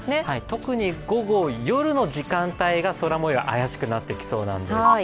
特に午後、夜の時間帯が空もよう怪しくなってきそうなんです。